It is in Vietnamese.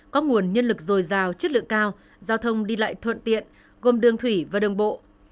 có nguồn nhân lực dồi dào chất lượng cao giao thông đi lại thuận tiện gồm đường thủy và đường bộ